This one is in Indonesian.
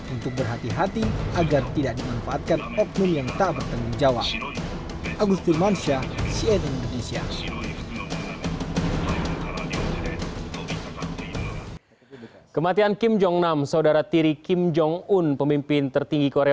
untuk berhasil memperoleh kasus hukum di luar negeri